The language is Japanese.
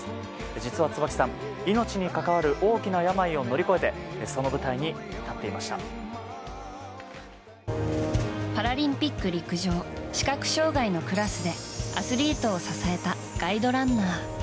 実は椿さん命に関わる大きな病を乗り越えてパラリンピック陸上視覚障害のクラスでアスリートを支えたガイドランナー。